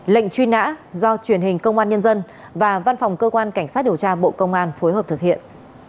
lệnh truy nã do truyền hình công an nhân dân và văn phòng cơ quan cảnh sát điều tra bộ công an phối hợp thực hiện